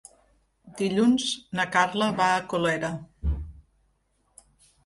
Dilluns na Carla va a Colera.